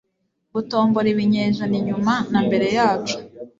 gutombora ibinyejana inyuma na mbere yacu